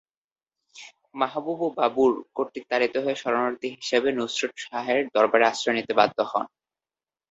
মাহমুদও বাবুর কর্তৃক তাড়িত হয়ে শরণার্থী হিসেবে নুসরত শাহের দরবারে আশ্রয় নিতে বাধ্য হন।